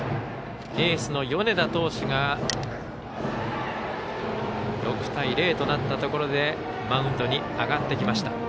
エースの米田投手が６対０となったところでマウンドに上がってきました。